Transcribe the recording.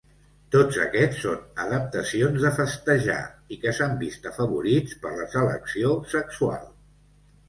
Tots aquests són adaptacions de festejar, i que s'han vist afavorits per la selecció sexual.